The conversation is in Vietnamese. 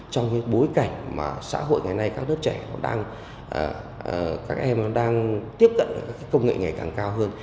trong bối cảnh mà xã hội ngày nay các lớp trẻ đang tiếp cận công nghệ ngày càng cao hơn